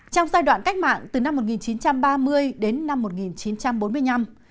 trong giai đoạn cách mạng từ năm một nghìn chín trăm ba mươi đến năm một nghìn chín trăm bốn mươi năm